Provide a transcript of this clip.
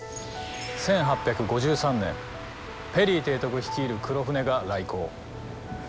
１８５３年ペリー提督率いる黒船が来航。